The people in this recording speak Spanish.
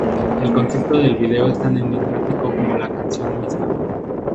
El concepto del video es tan enigmático como la canción misma.